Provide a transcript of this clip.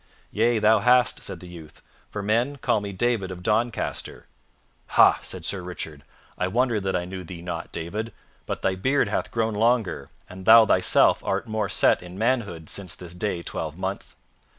"Yea, thou hast," said the youth, "for men call me David of Doncaster." "Ha!" said Sir Richard, "I wonder that I knew thee not, David; but thy beard hath grown longer, and thou thyself art more set in manhood since this day twelvemonth.